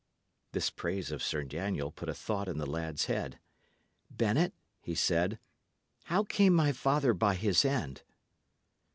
This praise of Sir Daniel put a thought in the lad's head. "Bennet," he said, "how came my father by his end?"